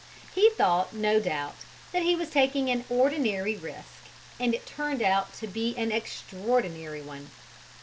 He thought, no doubt, he was taking an ordinary risk, and it turned out to be an extraordinary one.